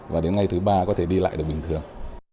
và đến ngày thứ ba có thể đi lại được bình thường